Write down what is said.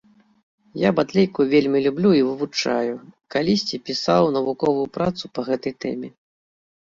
Я батлейку вельмі люблю і вывучаю, калісьці пісаў навуковую працу па гэтай тэме.